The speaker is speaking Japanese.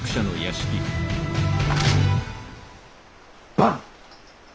バン！